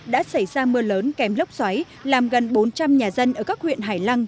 đã xảy ra mưa lớn kèm lốc xoáy làm gần bốn trăm linh nhà dân ở các huyện hải lăng